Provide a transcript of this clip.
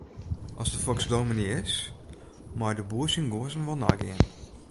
As de foks dominy is, mei de boer syn guozzen wol neigean.